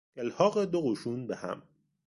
الحاق دو قشون به هم